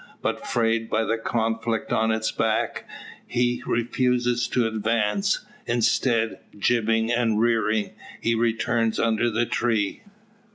But, frayed by the conflict on his back, he refuses to advance; instead, jibbing and rearing, he returns under the tree.